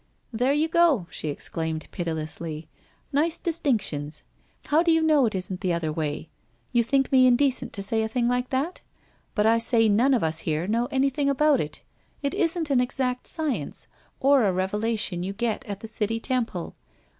' There you go !' she exclaimed pitilessly. ' Nice dis tinctions. How do you know it isn't the other way ? You think me indecent to say a thing like that? But I say none of us here know anything about it. It isn't an exact science, or a revelation you get at the City Temple.